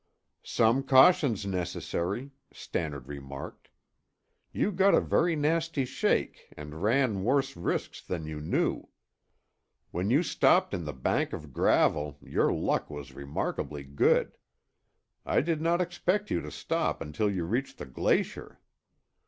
"Some caution's necessary," Stannard remarked. "You got a very nasty shake and ran worse risks than you knew. When you stopped in the bank of gravel your luck was remarkably good; I did not expect you to stop until you reached the glacier.